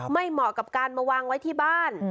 เหมาะกับการมาวางไว้ที่บ้าน